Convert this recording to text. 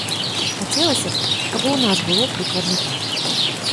Хацелася б, каб і ў нас было прыкладна так.